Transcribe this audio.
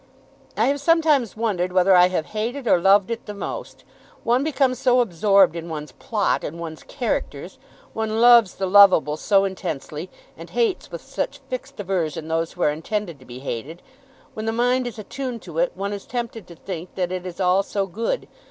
"I have sometimes wondered whether I have hated or loved it the most. One becomes so absorbed in one's plot and one's characters! One loves the loveable so intensely, and hates with such fixed aversion those who are intended to be hated. When the mind is attuned to it, one is tempted to think that it is all so good.